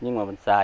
nhưng mà mình xài